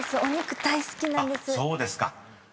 お肉大好きなんです。